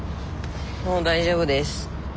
もう大丈夫です。